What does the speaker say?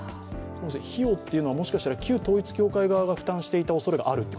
費用というのは、もしかしたら旧統一教会側が負担していたおそれがあると？